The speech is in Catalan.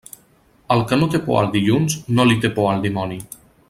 El que no té por al dilluns, no li té por al dimoni.